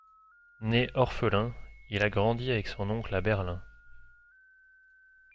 Né orphelin, il a grandi avec son oncle à Berlin.